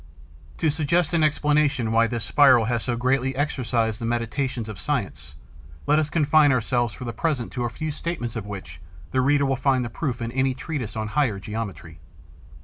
To suggest an explanation why this spiral has so greatly exercised the meditations of science, let us confine ourselves for the present to a few statements of which the reader will find the proof in any treatise on higher geometry.